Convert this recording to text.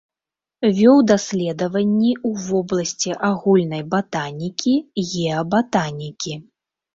Вёў даследаванні ў вобласці агульнай батанікі, геабатанікі.